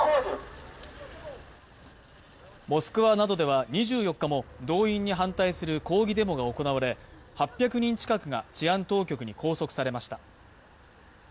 モスクワなどでは２４日も動員に反対する抗議デモが行われ、８００人近くが治安当局に拘束されました。